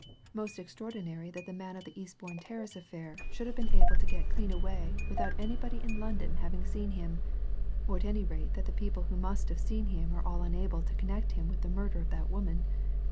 Most extraordinary that the man of the Eastbourne Terrace affair should have been able to get clean away without anybody in London having seen him or at any rate that the people who must have seen him are unable to connect him with the murder of that woman.